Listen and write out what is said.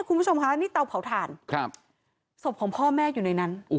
คุณผู้ชมคะนี่เตาเผาถ่านครับศพของพ่อแม่อยู่ในนั้น